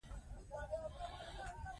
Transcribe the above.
ډلهییز فعالیت د خوښۍ سبب کېږي.